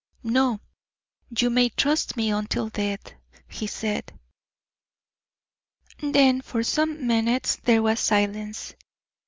"No; you may trust me until death," he said. Then for some minutes there was silence.